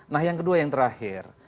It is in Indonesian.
nah yang kedua yang terakhir